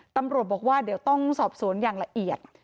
ตำรวจบอกว่าเดี๋ยวต้องสอบสวนอย่างละเอียด